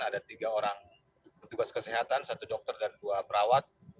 ada tiga orang petugas kesehatan satu dokter dan dua perawat